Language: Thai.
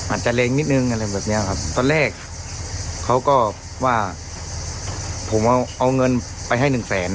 อาจจะเล็งนิดนึงอะไรแบบเนี้ยครับตอนแรกเขาก็ว่าผมเอาเอาเงินไปให้หนึ่งแสน